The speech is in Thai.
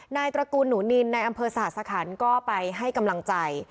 ตระกูลหนูนินในอำเภอสหสคันก็ไปให้กำลังใจ